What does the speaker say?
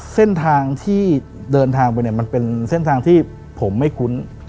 เส้นทางที่เดินทางไปเนี่ยมันเป็นเส้นทางที่ผมไม่คุ้น